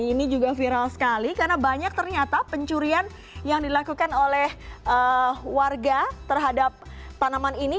ini juga viral sekali karena banyak ternyata pencurian yang dilakukan oleh warga terhadap tanaman ini